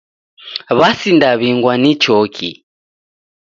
W'asindaw'ingwa ni choki.